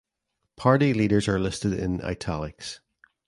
Party leaders are listed in "italics".